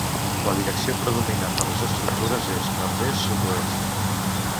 La direcció predominant de les estructures és nord-est-sud-oest.